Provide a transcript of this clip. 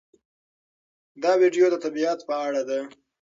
دا ویډیو د طبیعت په اړه ده.